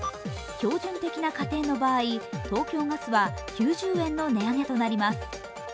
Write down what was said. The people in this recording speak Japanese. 標準的な家庭の場合、東京ガスは９０円の値上げとなります。